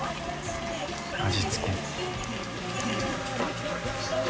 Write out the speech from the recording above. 味付け。